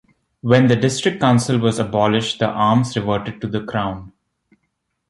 When the district council was abolished the arms reverted to the Crown.